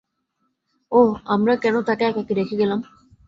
ওহ, আমরা কেনো তাকে একাকী রেখে গেলাম?